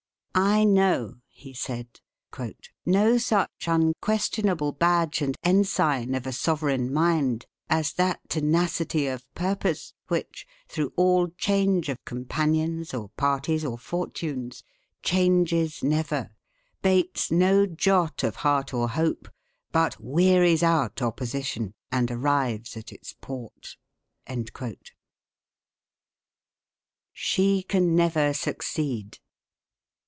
"I know," he said, "no such unquestionable badge and ensign of a sovereign mind as that tenacity of purpose, which, through all change of companions or parties or fortunes, changes never, bates no jot of heart or hope, but wearies out opposition and arrives at its port." "SHE CAN NEVER SUCCEED."